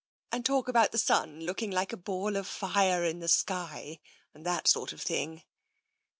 and talk about the sun looking like a ball of fire in the sky and that sort of thing."